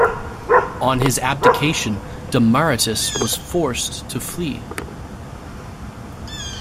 On his abdication, Demaratus was forced to flee.